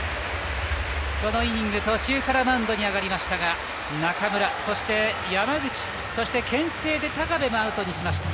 このイニング途中からマウンドに上がりましたが中村そして山口けん制で高部もアウトにしました。